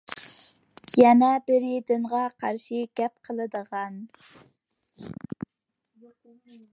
يەنە بىرى دىنغا قارشى گەپ قىلىدىغان.